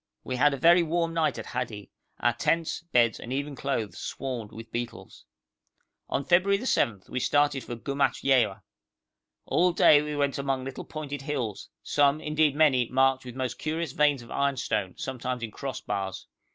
We had a very warm night at Hadi, our tent, beds, and even clothes swarmed with beetles. On February 7 we started for Gumatyewa. All day we went among little pointed hills, some, indeed many, marked with most curious veins of ironstone, sometimes in cross bars.